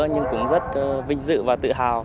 nhưng cũng rất vinh dự và tự hào